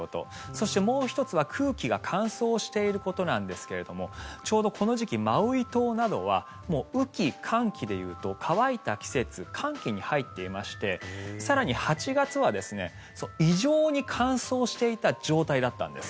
そしてもう１つは、空気が乾燥していることなんですけどもちょうどこの時期マウイ島などは雨期、乾期で言うと乾いた季節乾期に入っていまして更に８月は異常に乾燥していた状態だったんです。